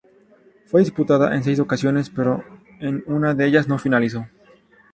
Fue disputada en seis ocasiones pero en una de ellas no finalizó.